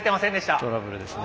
トラブルですね。